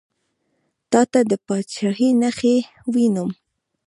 تاته د پاچهي نخښې وینم.